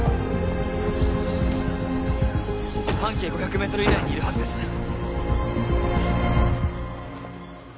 半径５００ｍ以内にいるはずです。